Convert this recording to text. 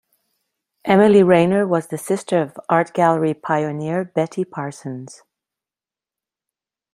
Emily Rayner was the sister of art gallery pioneer Betty Parsons.